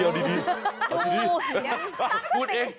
พูดเอง